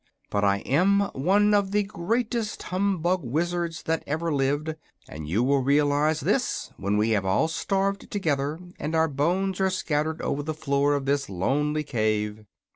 But I am one of the greatest humbug wizards that ever lived, and you will realize this when we have all starved together and our bones are scattered over the floor of this lonely cave."